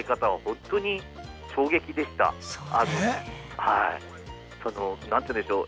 その何て言うんでしょう